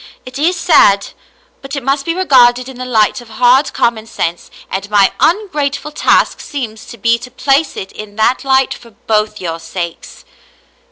It is sad, but it must be regarded in the light of hard common sense, and my ungrateful task seems to be to place it in that light for both your sakes."